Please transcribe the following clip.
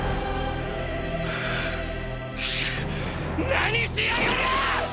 何しやがる！！